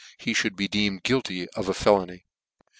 he mould be deemed guilty of felony."